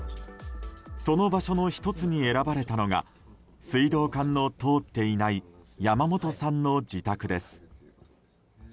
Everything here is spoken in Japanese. その場所の１つに選ばれたのが水道管の通っていない山本さんの自宅です。